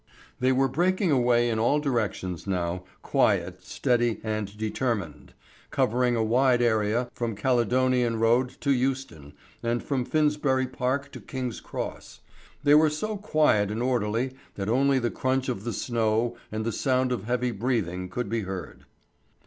They were breaking away in all directions now, quiet, steady, and determined, covering a wide area from Caledonian Road to Euston, and from Finsbury Park to King's Cross. They were so quiet and orderly that only the crunch of the snow and the sound of heavy breathing could be heard.